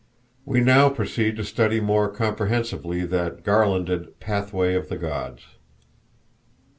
We now proceed to study more comprehensively that garlanded "Pathway of the Gods."